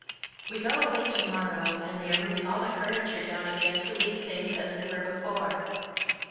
We go away to morrow, and they are moving all my furniture down again to leave things as they were before.